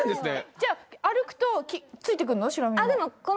じゃあ歩くとついてくんの？